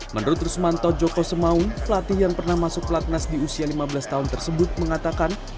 menurut rusmanto joko semaung pelatih yang pernah masuk pelatnas di usia lima belas tahun tersebut mengatakan